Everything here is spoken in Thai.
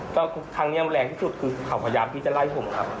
ก็บ่อยครับก็ทางเนี้ยแรงที่สุดคือเขาพยายามที่จะไล่ผมครับ